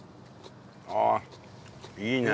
ああいいね。